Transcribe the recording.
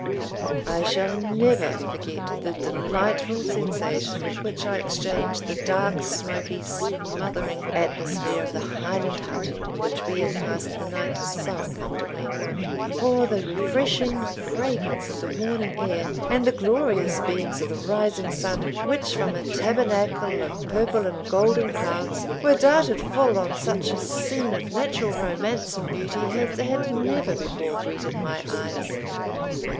I shall never forget the delightful sensation with which I exchanged the dark, smoky, smothering atmosphere of the Highland hut, in which we had passed the night so uncomfortably, for the refreshing fragrance of the morning air, and the glorious beams of the rising sun, which, from a tabernacle of purple and golden clouds, were darted full on such a scene of natural romance and beauty as had never before greeted my eyes.